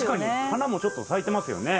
花もちょっと咲いてますよね。